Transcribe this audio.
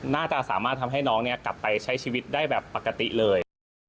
น่าจะสามารถทำให้น้องเนี่ยกลับไปใช้ชีวิตได้แบบปกติเลย